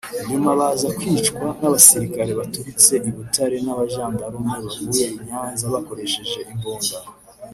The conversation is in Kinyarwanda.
nyuma baza kwicwa n’abasirikare baturutse i Butare n’abajandarume bavuye i Nyanza bakoresheje imbunda